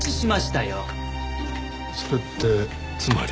それってつまり。